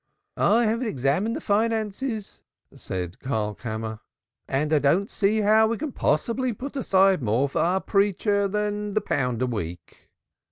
"I have examined the finances," said Karlkammer, "and I don't see how we can possibly put aside more for our preacher than the pound a week."